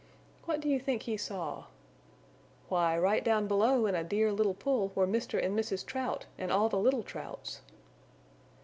What do you think he saw? Why, right down below in a Dear Little Pool were Mr. And Mrs. Trout and all the little Trouts.